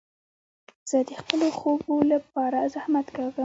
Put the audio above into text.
زه د خپلو خوبو له پاره زحمت کاږم.